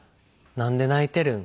「なんで泣いてるん？」